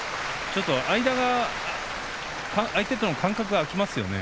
ちょっと間が相手との間隔が空きますよね。